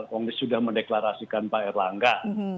kongres sudah mendeklarasikan pak erlangga